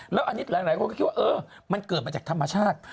แล้วอันนี้หลายคนก็คิดว่าเออมันเกิดมาจากธรรมชาติ